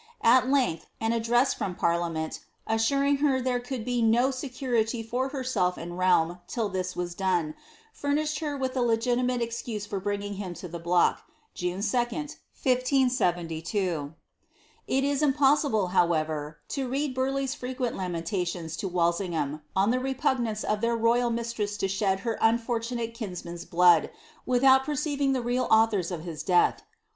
At length an address from parliameot^ assuring her that there could be no security for herself and realm till this were done, furnished her with a legitimate excuse for bringing him to the block, June 2d, 1 572. h is impossible, however, to read Burleigh's frequent lamentations to WaJsingham, on the repugnance of their royal mistress to shed her un fortunate kinsman's blood, without perceiving the real authors of his death.